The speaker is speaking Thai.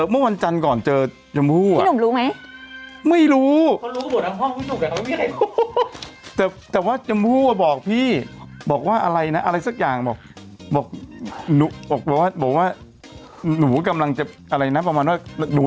เมื่อวันจันทร์ก่อนเจอจำผู้พี่หนูรู้ไหมไม่รู้เขารู้ก็บอกทั้งห้องพี่หนู